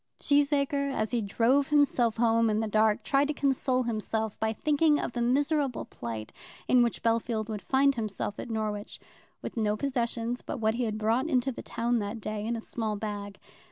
Cheesacre, as he drove himself home in the dark, tried to console himself by thinking of the miserable plight in which Bellfield would find himself at Norwich, with no possessions but what he had brought into the town that day in a small bag.